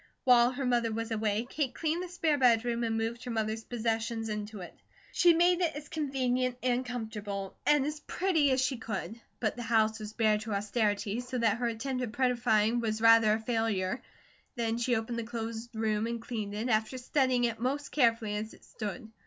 While her mother was away Kate cleaned the spare bedroom and moved her mother's possessions into it. She made it as convenient and comfortable and as pretty as she could, but the house was bare to austerity, so that her attempt at prettifying was rather a failure. Then she opened the closed room and cleaned it, after studying it most carefully as it stood.